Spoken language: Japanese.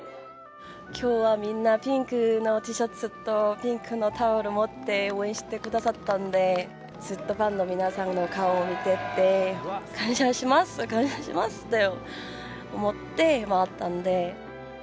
今日はみんなピンクのＴシャツとピンクのタオル持って応援してくださったんで、ずっとファンの皆さんの顔を見てて感謝しますと思って回ったんで。